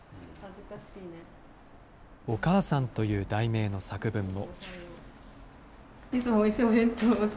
おかあさんという題名の作文も。